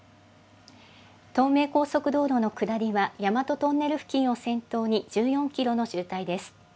東名高速道路の下りは大和トンネル付近を先頭に１４キロの渋滞です。